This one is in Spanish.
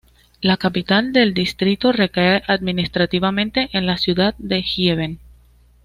La capital del distrito recae administrativamente en la ciudad de Gießen.